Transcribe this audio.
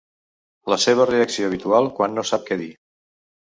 La seva reacció habitual quan no sap què dir.